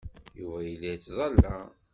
Yuba yella yettẓalla.